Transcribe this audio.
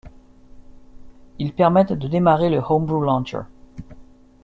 Ils permettent de démarrer le Homebrew Launcher.